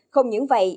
không những vậy